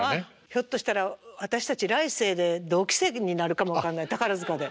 ひょっとしたら私たち来世で同期生になるかも分かんない宝塚で。